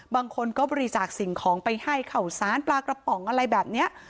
บางคนก็บริจาคสิ่งของไปให้ข่าวสารปลากระป๋องอะไรแบบนี้